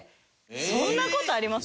そんな事あります？